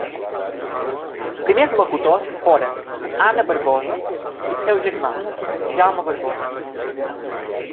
Els primers locutors foren Anna Barbosa i el seu germà, Jaume Barbosa.